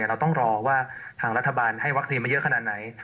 เราต้องรอว่าทางรัฐบาลให้วัคซีนมาเยอะขนาดไหน